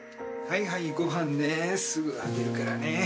はいはいご飯ねすぐあげるからね。